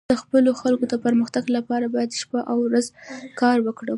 زه د خپلو خلکو د پرمختګ لپاره باید شپه او ورځ کار وکړم.